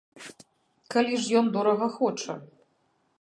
Калі ж ён дорага хоча.